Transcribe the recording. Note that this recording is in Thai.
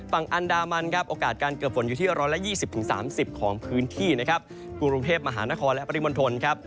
ฝั่งอันดามันครับโอกาสการเกิดฝนอยู่ที่๑๒๐๓๐ของพื้นที่นะครับกรุงเทพมหานครและปริมณฑลครับ